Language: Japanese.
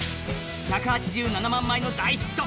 １８７万枚の大ヒット。